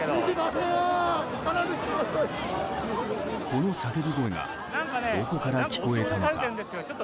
この叫び声がどこから聞こえたのか？